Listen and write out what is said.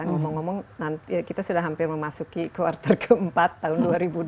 ngomong ngomong kita sudah hampir memasuki kuartal keempat tahun dua ribu dua puluh